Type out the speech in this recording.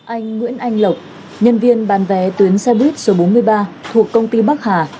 anh nguyễn anh lộc nhân viên bán vé tuyến xe buýt số bốn mươi ba thuộc công ty bắc hà